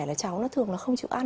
là cháu nó thường nó không chịu ăn